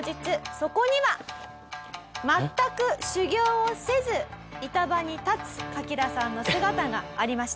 そこには全く修業をせず板場に立つカキダさんの姿がありました。